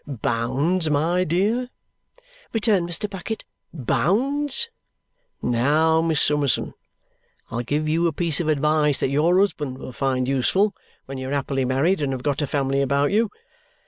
"Bounds, my dear?" returned Mr. Bucket. "Bounds? Now, Miss Summerson, I'll give you a piece of advice that your husband will find useful when you are happily married and have got a family about you.